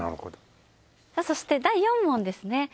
そして第４問ですね。